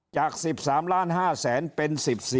จาก๑๓๕๐๐๐๐๐เป็น๑๔๕๐๐๐๐๐